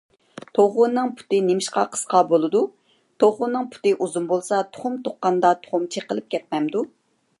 _ توخۇنىڭ پۇتى نېمىشقا قىسقا بولىدۇ؟ _ توخۇنىڭ پۇتى ئۇزۇن بولسا، تۇخۇم تۇغقاندا تۇخۇم چېقىلىپ كەتمەمدۇ؟